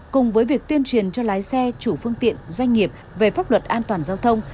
cùng với việc tuyên truyền cho lái xe chủ phương tiện doanh nghiệp về pháp luật an toàn giao thông